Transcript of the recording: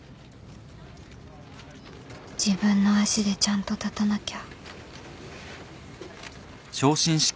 自分の足でちゃんと立たなきゃ